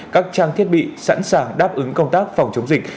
các trang thiết bị sẵn sàng đáp ứng công tác phòng chống dịch